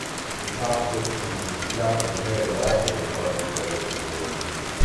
The top surfaces of the snout and head are also partly weathered and eroded.